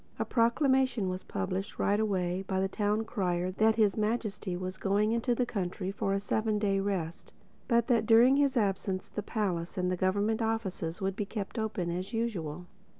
A proclamation was published right away by the Town Crier that His Majesty was going into the country for a seven day rest, but that during his absence the palace and the government offices would be kept open as usual.